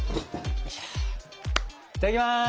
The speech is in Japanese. いただきます。